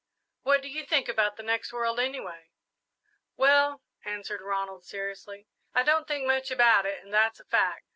"What do you think about the next world, anyway?" "Well," answered Ronald, seriously, "I don't think much about it, and that's a fact.